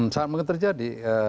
sangat mungkin terjadi